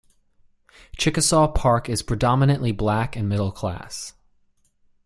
Chickasaw Park is predominantly black and middle-class.